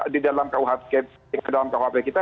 di dalam kuhp kita